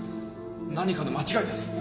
何かの間違いです！